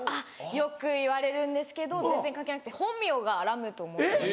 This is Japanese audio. よく言われるんですけど全然関係なくて本名がラムと申しまして。